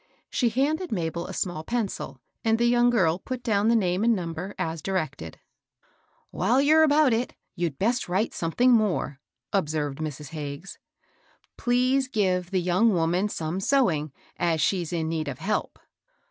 She handed Mabel a small pencil, and the young girl put down the name and number as directed. " While you're about it, you'd best write some thing more," observed Mrs, Hagges: "* Please give the young woman some sewing, as she's in need of help.'